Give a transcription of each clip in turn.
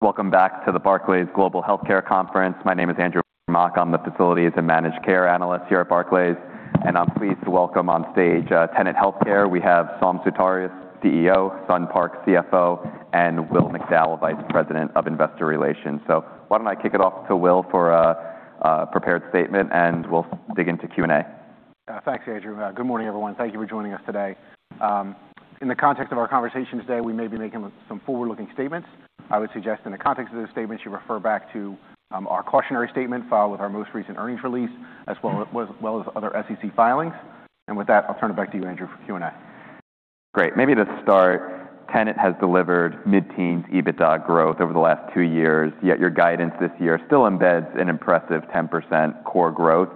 Welcome back to the Barclays Global Healthcare Conference. My name is Andrew Mok. I'm the Facilities and Managed Care Analyst here at Barclays, and I'm pleased to welcome on stage Tenet Healthcare. We have Saum Sutaria, CEO, Sun Park, CFO, and Will McDowell, Vice President of Investor Relations. Why don't I kick it off to Will for a prepared statement, and we'll dig into Q&A. Thanks, Andrew. Good morning, everyone. Thank you for joining us today. In the context of our conversation today, we may be making some forward-looking statements. I would suggest in the context of those statements, you refer back to our cautionary statement filed with our most recent earnings release, as well as other SEC filings. With that, I'll turn it back to you, Andrew, for Q&A. Great. Maybe to start, Tenet has delivered mid-teens EBITDA growth over the last two years, yet your guidance this year still embeds an impressive 10% core growth.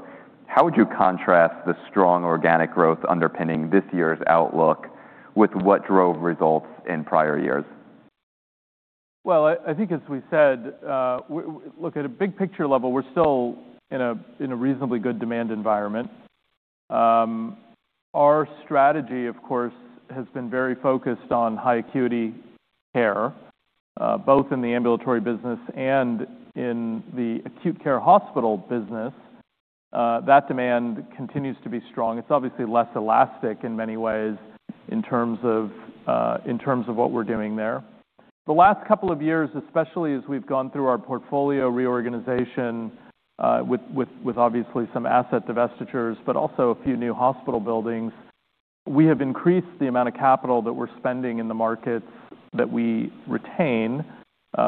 How would you contrast the strong organic growth underpinning this year's outlook with what drove results in prior years? I think as we said, look, at a big-picture level, we're still in a reasonably good demand environment. Our strategy, of course, has been very focused on high acuity care, both in the ambulatory business and in the acute care hospital business. That demand continues to be strong. It's obviously less elastic in many ways in terms of what we're doing there. The last couple of years, especially as we've gone through our portfolio reorganization, with obviously some asset divestitures, but also a few new hospital buildings, we have increased the amount of capital that we're spending in the markets that we retain,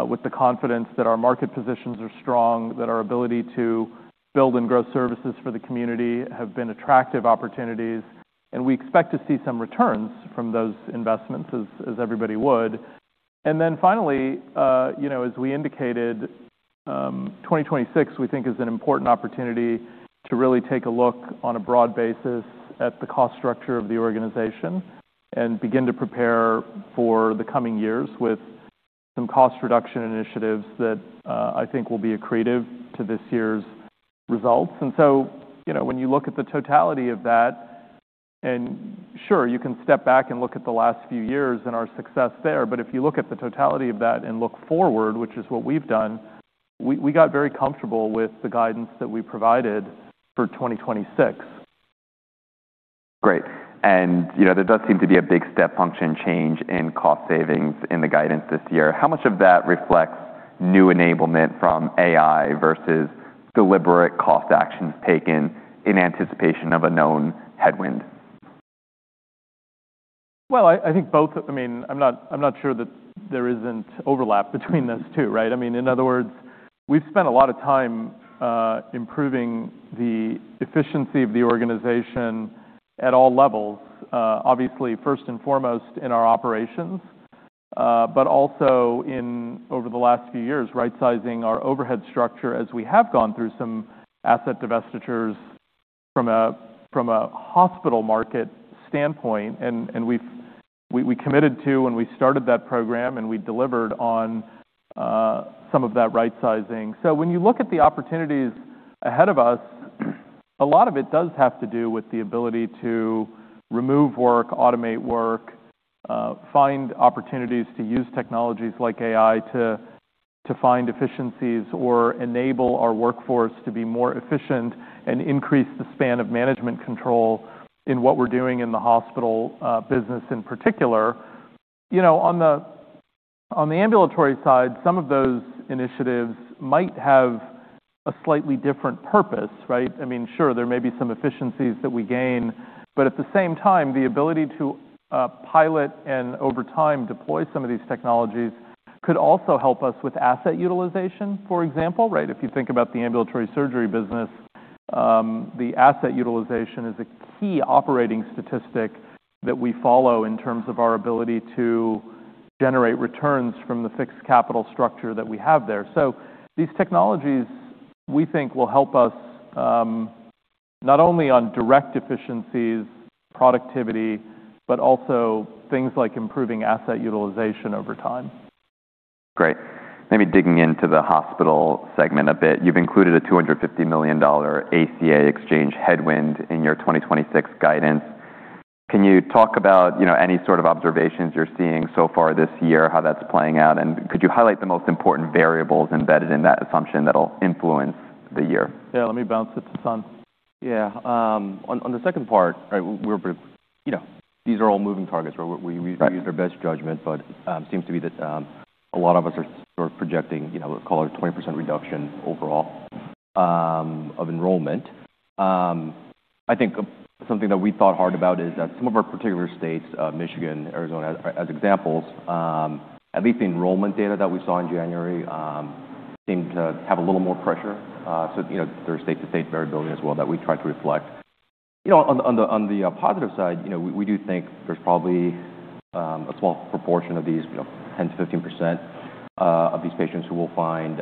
with the confidence that our market positions are strong, that our ability to build and grow services for the community have been attractive opportunities, and we expect to see some returns from those investments as everybody would. Then finally, you know, as we indicated, 2026, we think is an important opportunity to really take a look on a broad basis at the cost structure of the organization and begin to prepare for the coming years with some cost reduction initiatives that, I think will be accretive to this year's results. You know, when you look at the totality of that, and sure, you can step back and look at the last few years and our success there, but if you look at the totality of that and look forward, which is what we've done, we got very comfortable with the guidance that we provided for 2026. Great. You know, there does seem to be a big step function change in cost savings in the guidance this year. How much of that reflects new enablement from AI versus deliberate cost actions taken in anticipation of a known headwind? Well, I think both. I mean, I'm not sure that there isn't overlap between those two, right? I mean, in other words, we've spent a lot of time improving the efficiency of the organization at all levels, obviously, first and foremost in our operations, but also over the last few years, rightsizing our overhead structure as we have gone through some asset divestitures from a hospital market standpoint. We committed to when we started that program, and we delivered on some of that rightsizing. When you look at the opportunities ahead of us, a lot of it does have to do with the ability to remove work, automate work, find opportunities to use technologies like AI to find efficiencies or enable our workforce to be more efficient and increase the span of management control in what we're doing in the Hospital business in particular. You know, on the Ambulatory side, some of those initiatives might have a slightly different purpose, right? I mean, sure, there may be some efficiencies that we gain, but at the same time, the ability to pilot and over time deploy some of these technologies could also help us with asset utilization, for example, right? If you think about the ambulatory surgery business, the asset utilization is a key operating statistic that we follow in terms of our ability to generate returns from the fixed capital structure that we have there. These technologies, we think will help us, not only on direct efficiencies, productivity, but also things like improving asset utilization over time. Great. Maybe digging into the Hospital segment a bit. You've included a $250 million ACA exchange headwind in your 2026 guidance. Can you talk about, you know, any sort of observations you're seeing so far this year, how that's playing out? Could you highlight the most important variables embedded in that assumption that'll influence the year? Yeah. Let me bounce it to Sun. Yeah. On the second part, right, we're you know these are all moving targets. We use our best judgment seems to be that a lot of us are sort of projecting, you know, let's call it a 20% reduction overall of enrollment. I think something that we thought hard about is that some of our particular states, Michigan, Arizona, as examples, at least the enrollment data that we saw in January, seemed to have a little more pressure. You know, there's state-to-state variability as well that we try to reflect. You know, on the positive side, you know, we do think there's probably a small proportion of these, you know, 10%-15% of these patients who will find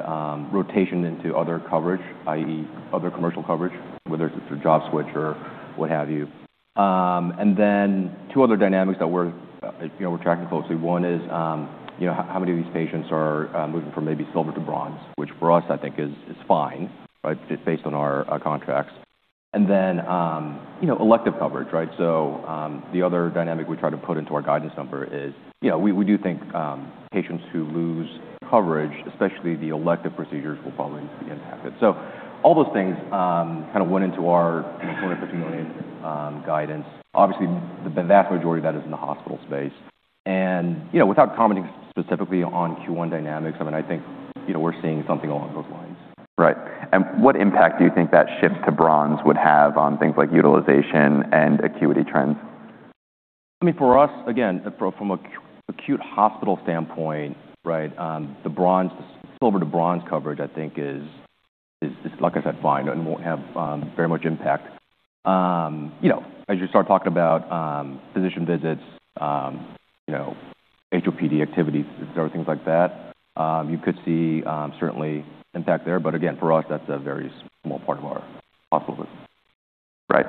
rotation into other coverage, i.e., other commercial coverage, whether it's through job switch or what have you, two other dynamics that we're, you know, tracking closely. One is, you know, how many of these patients are moving from maybe silver to bronze, which for us I think is fine, right, based on our contracts. You know, elective coverage, right? The other dynamic we try to put into our guidance number is, you know, we do think patients who lose coverage, especially the elective procedures, will probably be impacted. So all those things kind of went into our, you know, $25 million guidance. Obviously, the vast majority of that is in the hospital space. You know, without commenting specifically on Q1 dynamics, I mean, I think, you know, we're seeing something along those lines. Right. What impact do you think that shift to bronze would have on things like utilization and acuity trends? I mean, for us, again, from an acute hospital standpoint, right, the silver to bronze coverage, I think is, like I said, fine and won't have very much impact. You know, as you start talking about physician visits, you know, HOPD activities or things like that, you could see certainly impact there. Again, for us, that's a very small part of our Hospital business. Right.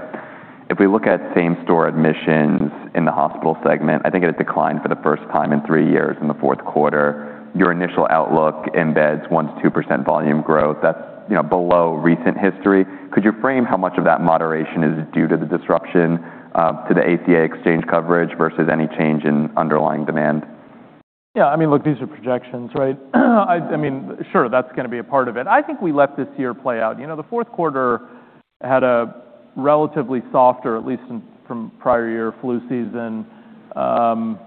If we look at same-store admissions in the Hospital segment, I think it had declined for the first time in three years in the fourth quarter. Your initial outlook embeds 1%-2% volume growth. That's, you know, below recent history. Could you frame how much of that moderation is due to the disruption to the ACA exchange coverage versus any change in underlying demand? Yeah, I mean, look, these are projections, right? I mean, sure, that's gonna be a part of it. I think we let this year play out. You know, the fourth quarter had a relatively softer, at least from prior-year flu season. Our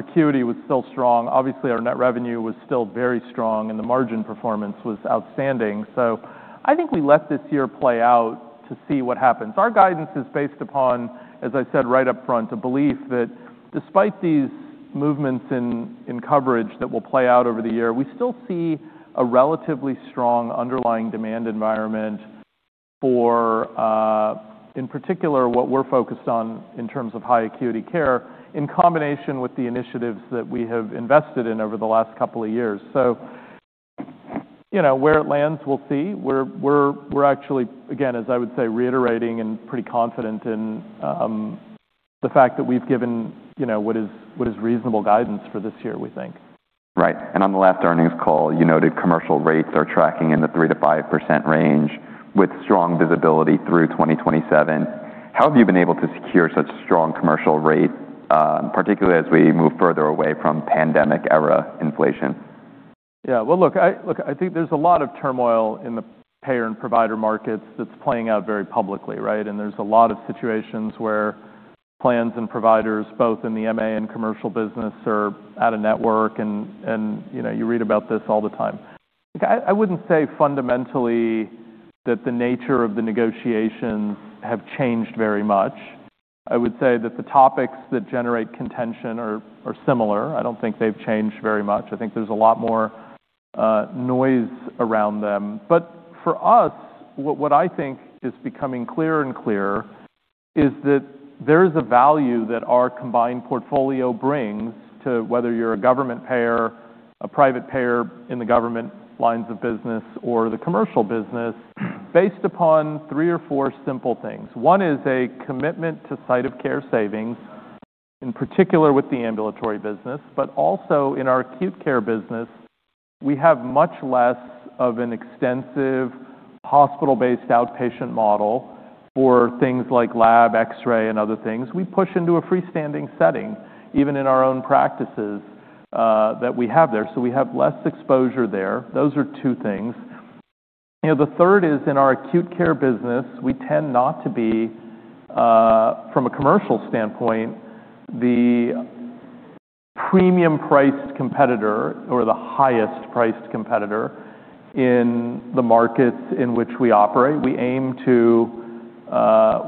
acuity was still strong. Obviously, our net revenue was still very strong, and the margin performance was outstanding. I think we let this year play out to see what happens. Our guidance is based upon, as I said right up front, a belief that despite these movements in coverage that will play out over the year, we still see a relatively strong underlying demand environment for, in particular, what we're focused on in terms of high acuity care, in combination with the initiatives that we have invested in over the last couple of years. You know, where it lands, we'll see. We're actually, again, as I would say, reiterating and pretty confident in the fact that we've given, you know, what is reasonable guidance for this year, we think. Right. On the last earnings call, you noted commercial rates are tracking in the 3%-5% range with strong visibility through 2027. How have you been able to secure such strong commercial rates, particularly as we move further away from pandemic-era inflation? Yeah. Well, look, I think there's a lot of turmoil in the payer and provider markets that's playing out very publicly, right? There's a lot of situations where plans and providers, both in the MA and commercial business, are out of network and, you know, you read about this all the time. Look, I wouldn't say fundamentally that the nature of the negotiations have changed very much. I would say that the topics that generate contention are similar. I don't think they've changed very much. I think there's a lot more noise around them. But for us, what I think is becoming clearer and clearer is that there is a value that our combined portfolio brings to whether you're a government payer, a private payer in the government lines of business or the commercial business based upon three or four simple things. One is a commitment to site-of-care savings, in particular with the Ambulatory business, but also in our acute care business, we have much less of an extensive hospital-based outpatient model for things like lab, X-ray, and other things. We push into a freestanding setting, even in our own practices, that we have there. We have less exposure there. Those are two things. You know, the third is in our acute care business, we tend not to be, from a commercial standpoint, the premium-priced competitor or the highest-priced competitor in the markets in which we operate.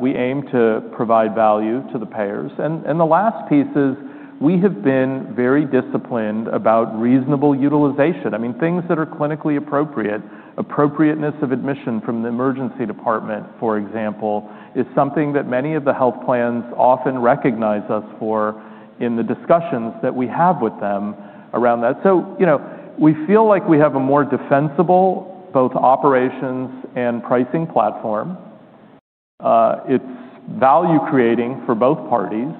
We aim to provide value to the payers. And the last piece is we have been very disciplined about reasonable utilization. I mean, things that are clinically appropriate, appropriateness of admission from the emergency department, for example, is something that many of the health plans often recognize us for in the discussions that we have with them around that. You know, we feel like we have a more defensible, both operations and pricing platform. It's value-creating for both parties,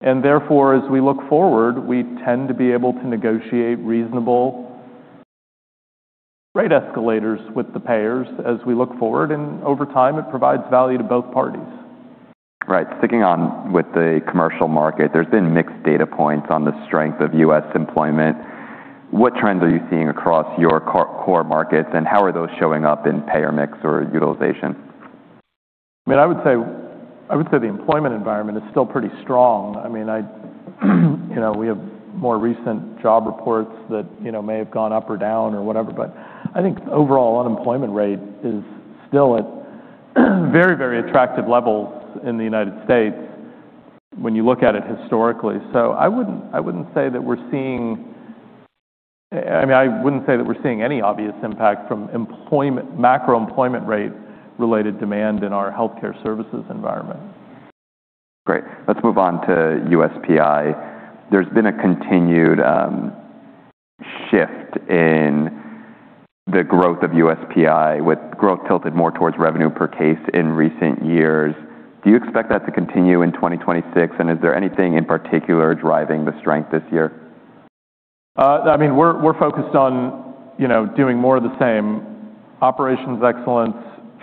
and therefore, as we look forward, we tend to be able to negotiate reasonable rate escalators with the payers as we look forward, and over time, it provides value to both parties. Right. Sticking with the commercial market, there's been mixed data points on the strength of U.S. employment. What trends are you seeing across your core markets, and how are those showing up in payer mix or utilization? I mean, I would say the employment environment is still pretty strong. I mean, you know, we have more recent job reports that, you know, may have gone up or down or whatever, but I think overall unemployment rate is still at very, very attractive levels in the United States when you look at it historically. I wouldn't say that we're seeing any obvious impact from employment, macro employment rate-related demand in our healthcare services environment. Great. Let's move on to USPI. There's been a continued shift in the growth of USPI, with growth tilted more towards revenue per case in recent years. Do you expect that to continue in 2026, and is there anything in particular driving the strength this year? I mean, we're focused on, you know, doing more of the same. Operations excellence,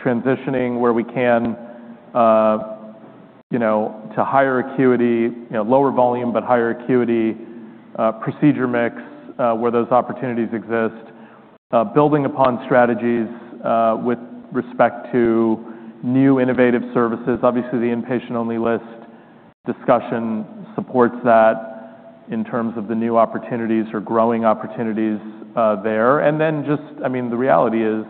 transitioning where we can, you know, to higher acuity, you know, lower volume, but higher acuity procedure mix, where those opportunities exist. Building upon strategies with respect to new innovative services. Obviously, the Inpatient Only List discussion supports that in terms of the new opportunities or growing opportunities there. Just, I mean, the reality is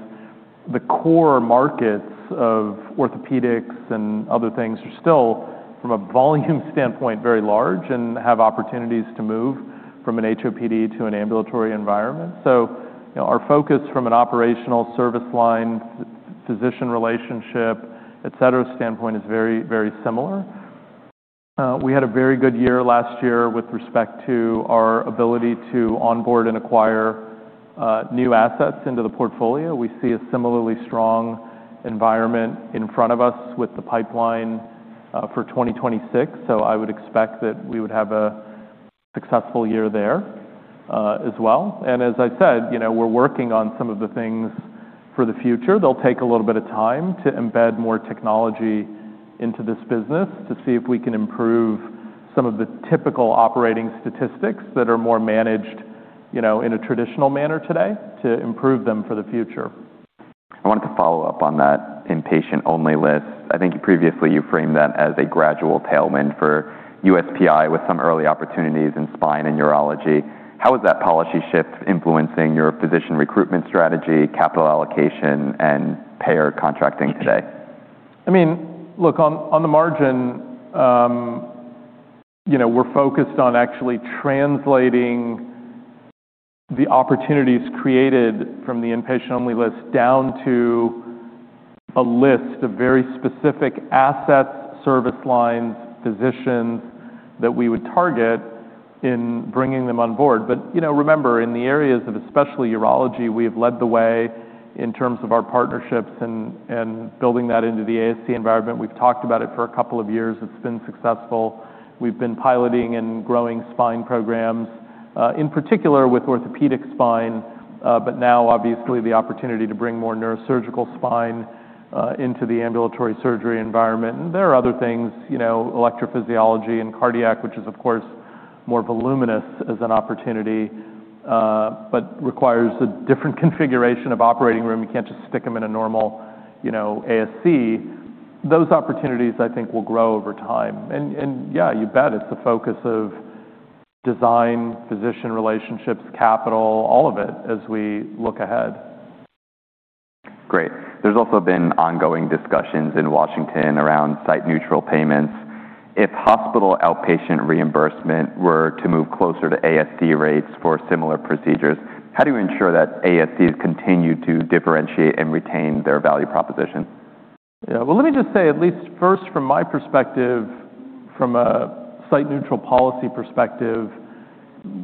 the core markets of orthopedics and other things are still, from a volume standpoint, very large and have opportunities to move from an HOPD to an ambulatory environment. You know, our focus from an operational service line, physician relationship, et cetera, standpoint is very, very similar. We had a very good year last year with respect to our ability to onboard and acquire new assets into the portfolio. We see a similarly strong environment in front of us with the pipeline for 2026. I would expect that we would have a successful year there as well. As I said, you know, we're working on some of the things for the future. They'll take a little bit of time to embed more technology into this business to see if we can improve some of the typical operating statistics that are more managed, you know, in a traditional manner today to improve them for the future. I wanted to follow up on that Inpatient Only List. I think previously you framed that as a gradual tailwind for USPI with some early opportunities in spine and urology. How is that policy shift influencing your physician recruitment strategy, capital allocation, and payer contracting today? I mean, look, on the margin, you know, we're focused on actually translating the opportunities created from the Inpatient Only List down to a list of very specific assets, service lines, physicians that we would target in bringing them on board. You know, remember, in the areas of especially urology, we have led the way in terms of our partnerships and building that into the ASC environment. We've talked about it for a couple of years. It's been successful. We've been piloting and growing spine programs in particular with orthopedic spine, but now obviously the opportunity to bring more neurosurgical spine into the ambulatory surgery environment. There are other things, you know, electrophysiology and cardiac, which is of course more voluminous as an opportunity, but requires a different configuration of operating room. You can't just stick them in a normal, you know, ASC. Those opportunities I think will grow over time. Yeah, you bet it's the focus of design, physician relationships, capital, all of it as we look ahead. Great. There's also been ongoing discussions in Washington around site-neutral payments. If hospital outpatient reimbursement were to move closer to ASC rates for similar procedures, how do you ensure that ASCs continue to differentiate and retain their value proposition? Yeah. Well, let me just say at least first from my perspective, from a site-neutral policy perspective,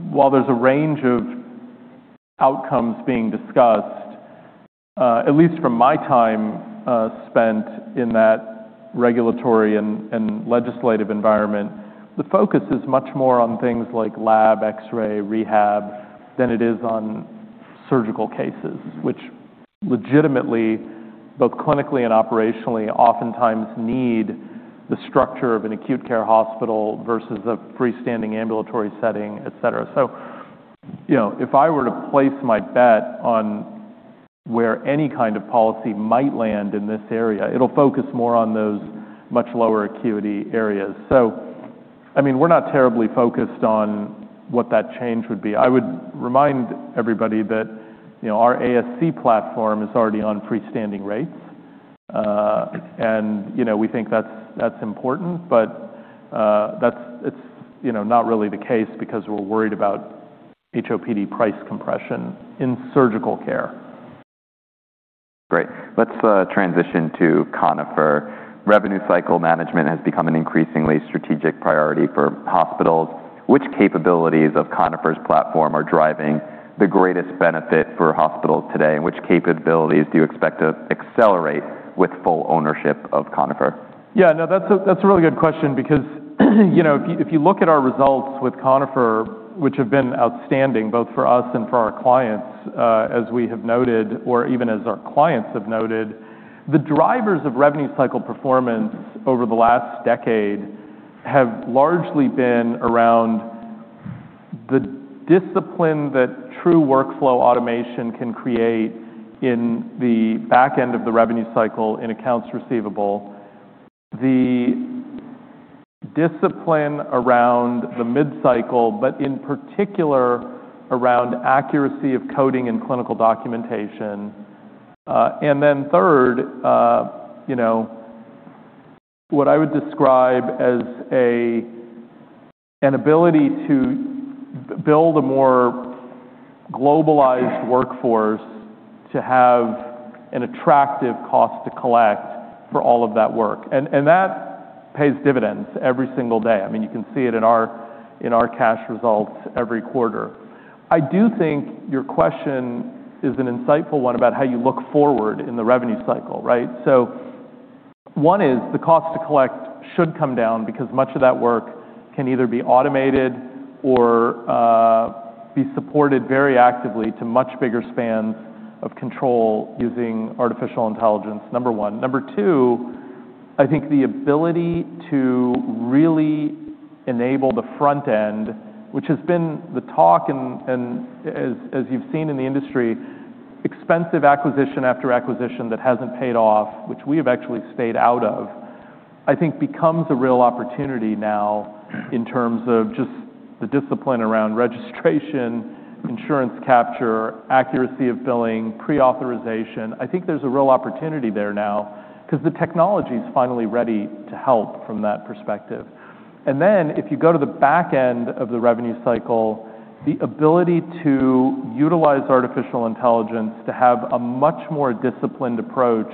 while there's a range of outcomes being discussed, at least from my time spent in that regulatory and legislative environment, the focus is much more on things like lab, X-ray, rehab than it is on surgical cases, which legitimately, both clinically and operationally, oftentimes need the structure of an acute care hospital versus a freestanding ambulatory setting, et cetera. You know, if I were to place my bet on where any kind of policy might land in this area, it'll focus more on those much lower acuity areas. I mean, we're not terribly focused on what that change would be. I would remind everybody that, you know, our ASC platform is already on freestanding rates. You know, we think that's important, but that's not really the case because we're worried about HOPD price compression in surgical care. Great. Let's transition to Conifer. Revenue cycle management has become an increasingly strategic priority for hospitals. Which capabilities of Conifer's platform are driving the greatest benefit for hospitals today, and which capabilities do you expect to accelerate with full ownership of Conifer? Yeah, no, that's a really good question because, you know, if you look at our results with Conifer, which have been outstanding both for us and for our clients, as we have noted or even as our clients have noted, the drivers of revenue cycle performance over the last decade have largely been around the discipline that true workflow automation can create in the back end of the revenue cycle in accounts receivable. The discipline around the mid-cycle, but in particular around accuracy of coding and clinical documentation. And then third, you know, what I would describe as an ability to build a more globalized workforce to have an attractive cost to collect for all of that work. And that pays dividends every single day. I mean, you can see it in our cash results every quarter. I do think your question is an insightful one about how you look forward in the revenue cycle, right? One is the cost to collect should come down because much of that work can either be automated or be supported very actively to much bigger spans of control using artificial intelligence, number one. Number two, I think the ability to really enable the front end, which has been the talk and as you've seen in the industry, expensive acquisition after acquisition that hasn't paid off, which we have actually stayed out of, I think becomes a real opportunity now in terms of just the discipline around registration, insurance capture, accuracy of billing, pre-authorization. I think there's a real opportunity there now 'cause the technology's finally ready to help from that perspective. If you go to the back end of the revenue cycle, the ability to utilize artificial intelligence to have a much more disciplined approach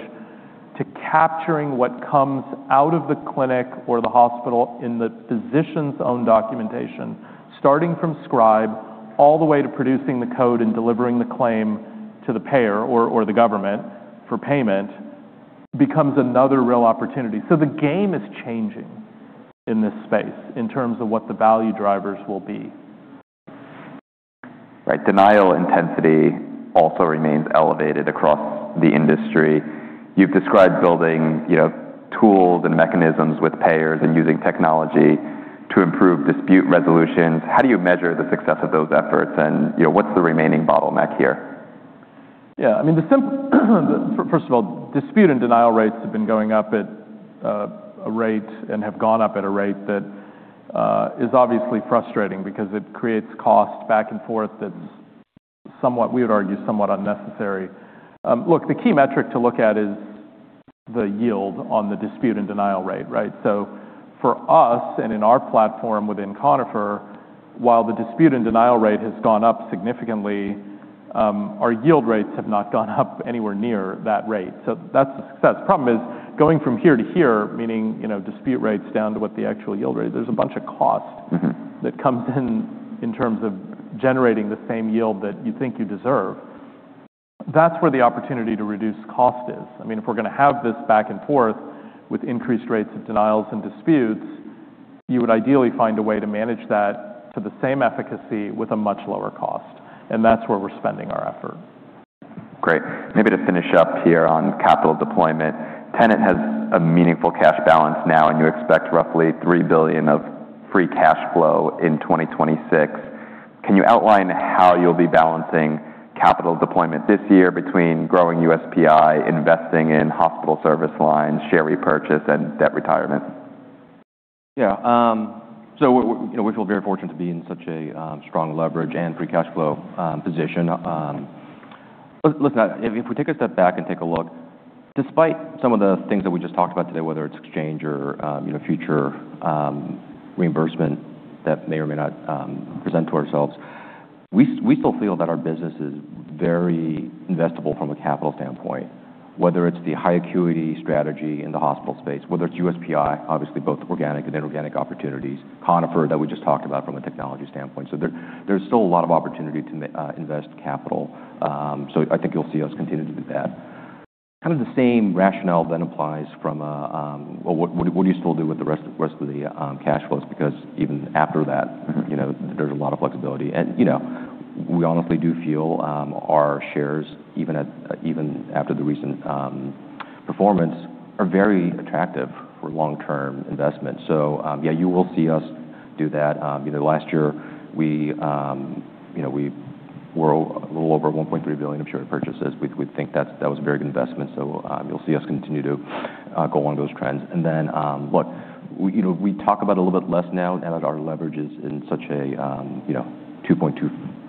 to capturing what comes out of the clinic or the hospital in the physician's own documentation, starting from scribe all the way to producing the code and delivering the claim to the payer or the government for payment, becomes another real opportunity. The game is changing in this space in terms of what the value drivers will be. Right. Denial intensity also remains elevated across the industry. You've described building, you know, tools and mechanisms with payers and using technology to improve dispute resolutions. How do you measure the success of those efforts and, you know, what's the remaining bottleneck here? Yeah. I mean, First of all, dispute and denial rates have been going up at a rate and have gone up at a rate that is obviously frustrating because it creates cost back and forth that's somewhat, we would argue, somewhat unnecessary. Look, the key metric to look at is the yield on the dispute and denial rate, right? For us, and in our platform within Conifer, while the dispute and denial rate has gone up significantly, our yield rates have not gone up anywhere near that rate. That's a success. Problem is, going from here to here, meaning, you know, dispute rates down to what the actual yield rate is, there's a bunch of cost that comes in terms of generating the same yield that you think you deserve. That's where the opportunity to reduce cost is. I mean, if we're gonna have this back and forth with increased rates of denials and disputes, you would ideally find a way to manage that to the same efficacy with a much lower cost, and that's where we're spending our effort. Great. Maybe to finish up here on capital deployment, Tenet has a meaningful cash balance now, and you expect roughly $3 billion of free cash flow in 2026. Can you outline how you'll be balancing capital deployment this year between growing USPI, investing in hospital service lines, share repurchase, and debt retirement? Yeah. So we're, you know, we feel very fortunate to be in such a strong leverage and free cash flow position. Look, if we take a step back and take a look, despite some of the things that we just talked about today, whether it's exchange or, you know, future reimbursement that may or may not present to ourselves, we still feel that our business is very investable from a capital standpoint, whether it's the high-acuity strategy in the hospital space, whether it's USPI, obviously both organic and inorganic opportunities, Conifer that we just talked about from a technology standpoint. There's still a lot of opportunity to invest capital. I think you'll see us continue to do that. Kind of the same rationale then applies from a Well, what do you still do with the rest of the cash flows, because even after that, you know, there's a lot of flexibility. You know, we honestly do feel our shares, even after the recent performance, are very attractive for long-term investment. Yeah, you will see us do that. You know, last year, you know, we were a little over $1.3 billion of share purchases. We think that was a very good investment. You'll see us continue to go along those trends. Look, you know, we talk about a little bit less now that our leverage is in such a, you know,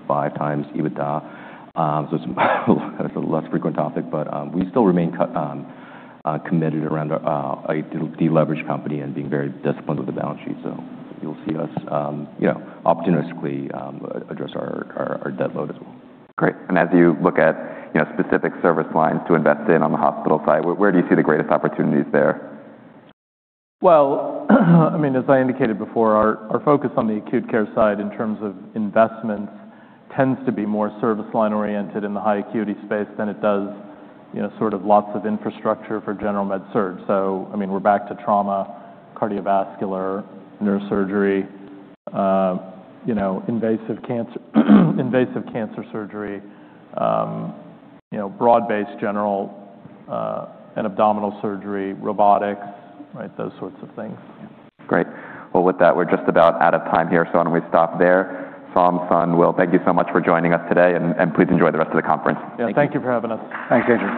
2.25x EBITDA. It's a less frequent topic, but we still remain committed around a deleveraged company and being very disciplined with the balance sheet. You'll see us, you know, opportunistically address our debt load as well. Great. As you look at, you know, specific service lines to invest in on the Hospital side, where do you see the greatest opportunities there? Well, I mean, as I indicated before, our focus on the acute care side in terms of investments tends to be more service line-oriented in the high acuity space than it does, you know, sort of lots of infrastructure for general med surg. I mean, we're back to trauma, cardiovascular, neurosurgery, you know, invasive cancer surgery, you know, broad-based general and abdominal surgery, robotics, right? Those sorts of things. Great. Well, with that, we're just about out of time here, so why don't we stop there. Saum, Sun, Will, thank you so much for joining us today, and please enjoy the rest of the conference. Yeah. Thank you for having us. Thanks, Andrew.